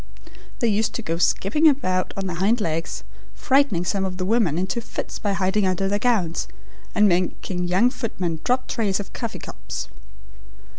They used to go skipping about on their hind legs, frightening some of the women into fits by hiding under their gowns, and making young footmen drop trays of coffee cups.